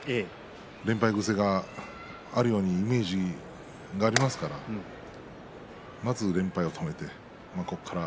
連敗癖があるようなイメージがありますのでまず連敗を止めてほしいです。